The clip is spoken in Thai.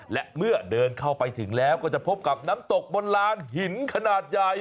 และเมื่อเดินเข้าไปถึงแล้วก็จะพบกับน้ำตกบนลานหินขนาดใหญ่